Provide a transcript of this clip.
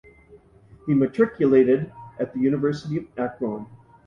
He matriculated at the University of Akron.